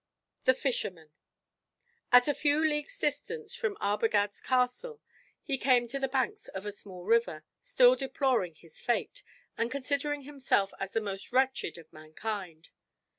THE FISHERMAN At a few leagues' distance from Arbogad's castle he came to the banks of a small river, still deploring his fate, and considering himself as the most wretched of mankind.